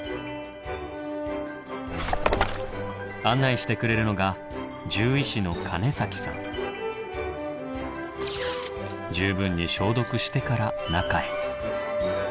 案内してくれるのが十分に消毒してから中へ。